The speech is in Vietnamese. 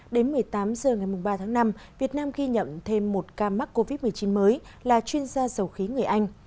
đến một mươi tám h ngày ba tháng năm việt nam ghi nhận thêm một ca mắc covid một mươi chín mới là chuyên gia dầu khí người anh